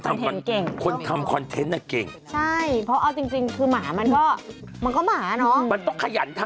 มันกินน้ำแข็งจะไม่อันน้ำเย็นนะ